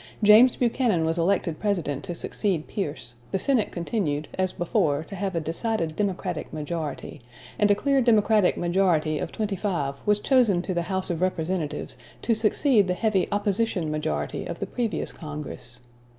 James Buchanan was elected President to succeed Pierce; the Senate continued, as before, to have a decided Democratic majority; and a clear Democratic majority of twenty five was chosen to the House of Representatives to succeed the heavy opposition majority of the previous Congress.